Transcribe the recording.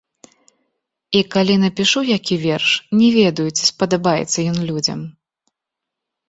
І калі напішу які верш, не ведаю, ці спадабаецца ён людзям.